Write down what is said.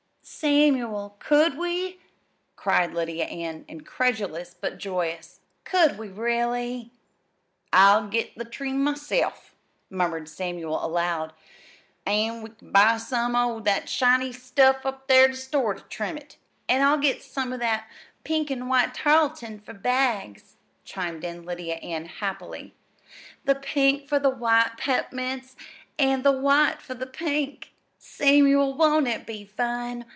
"Samuel, could we?" cried Lydia Ann, incredulous but joyous. "Could we, really?" "I'll get the tree myself," murmured Samuel, aloud, "an' we can buy some o' that shiny stuff up ter the store ter trim it." "An' I'll get some of that pink an' white tarl'tan for bags," chimed in Lydia Ann happily: "the pink for the white pep'mints, an' the white for the pink. Samuel, won't it be fun?"